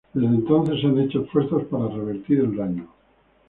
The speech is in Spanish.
Desde entonces se han hecho esfuerzos para revertir el daño.